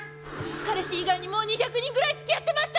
彼氏以外にもう２００人ぐらい付き合ってました！